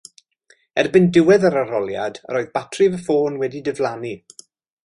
Erbyn diwedd yr arholiad, yr oedd batri fy ffôn wedi diflannu